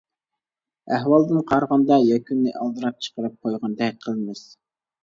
ئەھۋالدىن قارىغاندا، يەكۈننى ئالدىراپ چىقىرىپ قويغاندەك قىلىمىز.